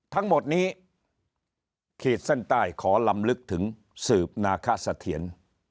ทั้งหมดนี้ขีดเส้นใต้ขอลำลึกถึงสืบนาคสะเทียน